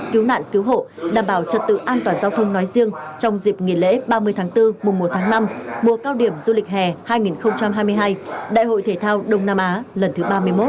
cứu nạn cứu hộ đảm bảo trật tự an toàn giao thông nói riêng trong dịp nghỉ lễ ba mươi tháng bốn mùa một tháng năm mùa cao điểm du lịch hè hai nghìn hai mươi hai đại hội thể thao đông nam á lần thứ ba mươi một